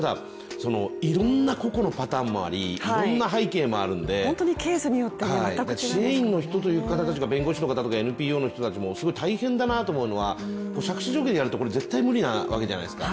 いろんな個々のパターンもあり、いろんな背景もあるんで、支援員の人という方とか、弁護士の方とかＮＰＯの方とかすごい大変だなと思うのは、杓子定規にやると絶対無理なわけじゃないですか。